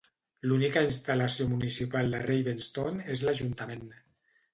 L'única instal·lació municipal de Ravenstone és l'ajuntament.